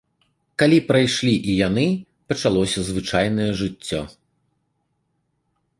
Калі прайшлі і яны, пачалося звычайнае жыццё.